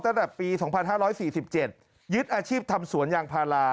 ตั้งแต่ปี๒๕๔๗ยึดอาชีพทำสวนยางพารา